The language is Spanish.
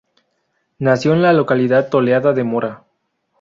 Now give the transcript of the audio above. Nació en la localidad toledana de Mora.